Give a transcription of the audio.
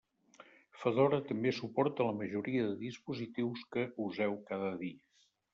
Fedora també suporta la majoria de dispositius que useu cada dia.